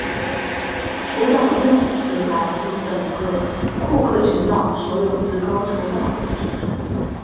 酋长院是来自整个库克群岛所有至高酋长的组成。